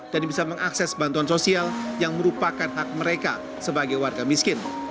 dan bisa mengakses bantuan sosial yang merupakan hak mereka sebagai warga miskin